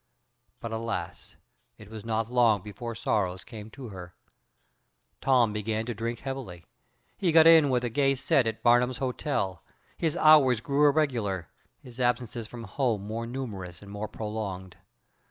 "But, alas! it was not long before sorrows came to her. Tom began to drink heavily. He got in with a gay set at Barnum's Hotel, his hours grew irregular, his absences from home more numerous and more prolonged.